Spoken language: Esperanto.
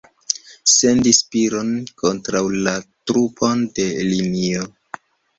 Sendi Spiro'n kontraŭ la trupon de linio!